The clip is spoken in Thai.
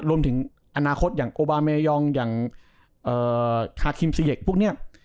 รวมถึงอนาคตอย่างโอบาเมยองอย่างทาคิมซีเย็กพวกนี้